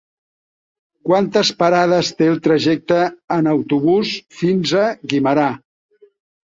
Quantes parades té el trajecte en autobús fins a Guimerà?